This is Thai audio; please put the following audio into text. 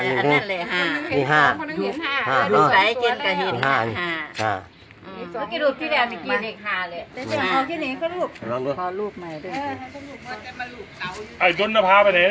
มือถูกเลี้ยงฟ่อฟ่อ